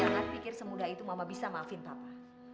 jangan pikir semudah itu bapak bisa memaafkan ibu